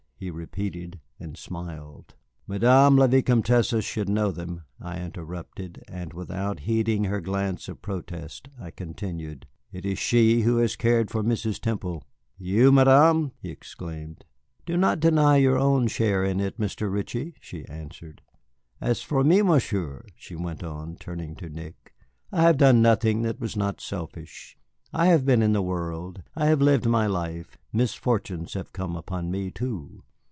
he repeated, and smiled. "Madame la Vicomtesse should know them," I interrupted; and without heeding her glance of protest I continued, "It is she who has cared for Mrs. Temple." "You, Madame!" he exclaimed. "Do not deny your own share in it, Mr. Ritchie," she answered. "As for me, Monsieur," she went on, turning to Nick, "I have done nothing that was not selfish. I have been in the world, I have lived my life, misfortunes have come upon me too.